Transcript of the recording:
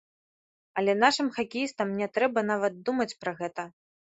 Але нашым хакеістам не трэба нават думаць пра гэта!